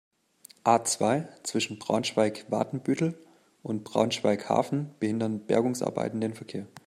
A-zwei, zwischen Braunschweig-Watenbüttel und Braunschweig-Hafen behindern Bergungsarbeiten den Verkehr.